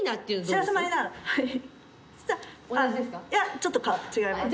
ちょっと違います。